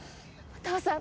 お父さん！